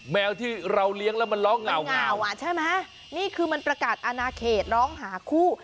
แมวที่เราเลี้ยงแล้วมันร้องเหงาเหงาอ่ะใช่ไหมนี่คือมันประกาศอนาเขตร้องหาคู่